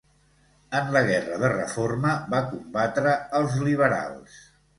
En la Guerra de Reforma va combatre als liberals.